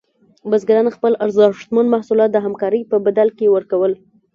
بزګران خپل ارزښتمن محصولات د همکارۍ په بدل کې ورکول.